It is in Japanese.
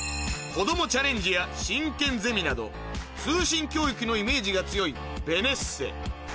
「こどもちゃれんじ」や「進研ゼミ」など通信教育のイメージが強いベネッセ